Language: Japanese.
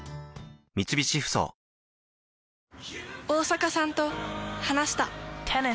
大坂さんと話した。